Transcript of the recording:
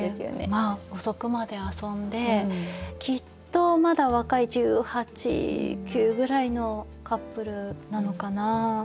遅くまで遊んできっとまだ若い１８１９くらいのカップルなのかな？